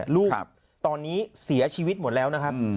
ลูกตอนนี้เสียชีวิตหมดแล้วนะครับ